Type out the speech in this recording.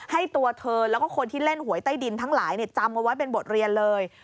ตัวเธอแล้วก็คนที่เล่นหวยใต้ดินทั้งหลายจำเอาไว้เป็นบทเรียนเลย